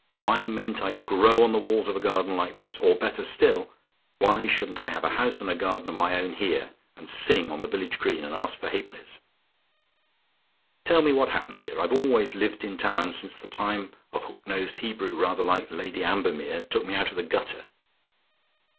Why mayn't I grow on the walls of a garden like this, or better still, why shouldn't I have a house and garden of my own here, and sing on the village green, and ask for halfpennies? Tell me what happens here! I've always lived in town since the time a hook nosed Hebrew, rather like Lady Ambermere, took me out of the gutter."